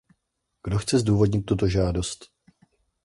Kdo chce zdůvodnit tuto žádost?